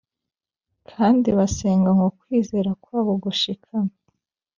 kandi basenga ngo kwizera kwabo gushikame